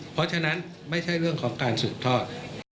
เพราะฉะนั้นไม่ใช่เรื่องของการสืบทอด